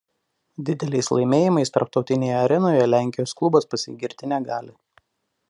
Dideliais laimėjimais tarptautinėje arenoje Lenkijos klubas pasigirti negali.